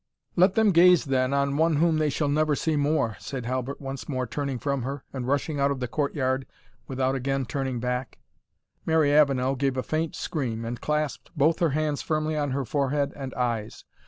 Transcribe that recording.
"Let them gaze then on one whom they shall never see more," said Halbert, once more turning from her, and rushing out of the court yard without again looking back. Mary Avenel gave a faint scream, and clasped both her hands firmly on her forehead and eyes.